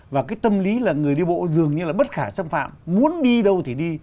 và cái tâm lý là người đi bộ dường như là bất khả xâm phạm muốn đi đâu thì đi